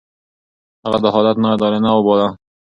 هغه دا حالت ناعادلانه وباله.